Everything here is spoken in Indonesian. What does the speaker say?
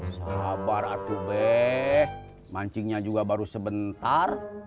sabar atu be mancingnya juga baru sebentar